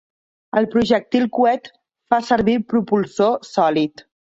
El projectil coet fa servir propulsor sòlid.